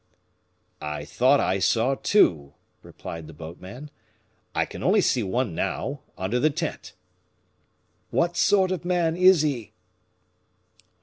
"I thought I saw two," replied the boatman. "I can only see one now, under the tent." "What sort of man is he?"